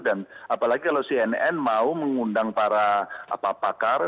apalagi kalau cnn mau mengundang para pakar